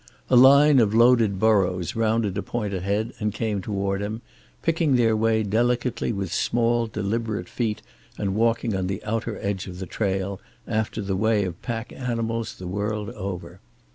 A line of loaded burros rounded a point ahead and came toward him, picking their way delicately with small deliberate feet and walking on the outer edge of the trail, after the way of pack animals the world over.